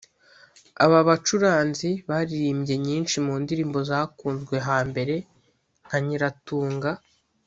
Aba bacuranzi baririmbye nyinshi mu ndirimbo zakunzwe hambere nka ‘Nyiratunga’